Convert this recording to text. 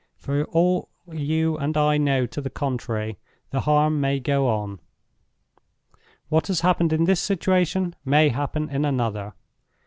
For all you and I know to the contrary, the harm may go on. What has happened in this situation may happen in another.